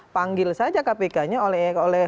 panggil saja kpk nya oleh